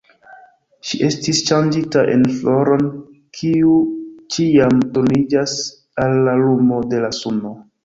Ŝi estis ŝanĝita en floron, kiu ĉiam turniĝas al la lumo de la suno.